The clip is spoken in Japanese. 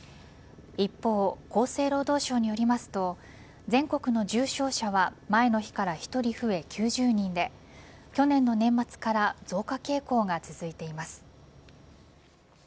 一方、厚生労働省によりますと全国の重症者は前の日から１人増え、９０人で去年の年末から増加傾向が続いています。